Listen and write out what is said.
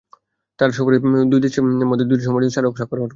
তাঁর সফরে দুই দেশের মধ্যে দুটি সমঝোতা স্মারক স্বাক্ষর হওয়ার কথা।